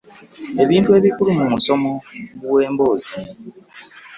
Ebintu ebikulu mu musono gw’emboozi: